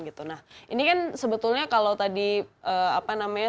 nah ini kan sebetulnya kalau tadi apa namanya